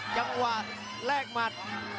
จังหวะแลกหมัด